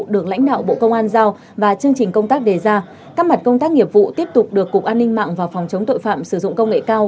được lãnh đạo bộ công an giao và chương trình công tác đề ra các mặt công tác nghiệp vụ tiếp tục được cục an ninh mạng và phòng chống tội phạm sử dụng công nghệ cao